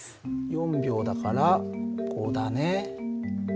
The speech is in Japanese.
４秒だからここだね。